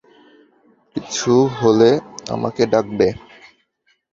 কিছু হলে আমাকে ডাকবে।